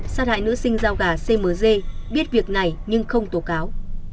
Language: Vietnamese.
sát hại nữ sinh giao gà cmg biết việc này nhưng không tổ cáo